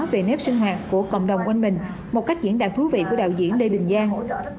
về nếp sinh hoạt của cộng đồng quanh mình một cách diễn đạt thú vị của đạo diễn lê đình giang